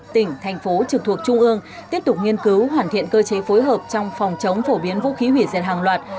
tỉnh thành phố trực thuộc trung ương tiếp tục nghiên cứu hoàn thiện cơ chế phối hợp trong phòng chống phổ biến vũ khí hủy diệt hàng loạt